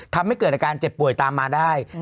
ทำให้เกิดอาการเจ็บป่วยตามมาได้